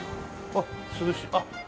あっ涼しい。